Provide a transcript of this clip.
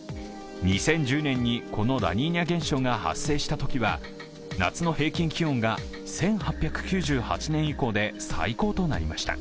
２０１０年にこのラニーニャ現象が発生したときは夏の平均気温が１８９８年以降で最高となりました。